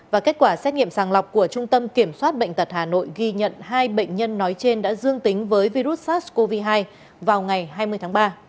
và kết quả xét nghiệm sàng lọc của trung tâm kiểm soát bệnh tật hà nội ghi nhận hai bệnh nhân nói trên đã dương tính với virus sars cov hai vào ngày hai mươi tháng ba